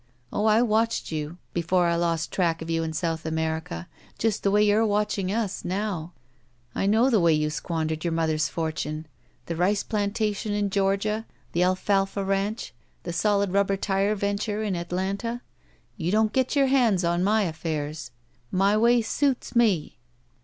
Oh, I watched you before I lost track of you in South America — ^just the way you're watching — us — ^now! I know the way you squandered your mother's fortune. The rice plantation i;n Georgia. The alfalfa ranch. The solid rubber tire venture in Atlanta. You don't get your hands on my affairs. My way suits me!"